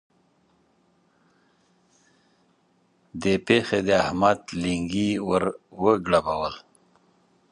دې پېښې د احمد لېنګي ور وګړبول.